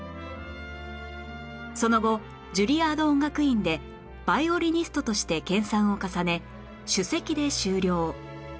その後ジュリアード音楽院でヴァイオリニストとして研鑽を重ね首席で修了